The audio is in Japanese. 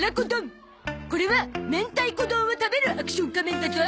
これは「明太子丼を食べるアクション仮面」だゾ。